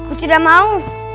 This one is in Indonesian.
aku tidak mau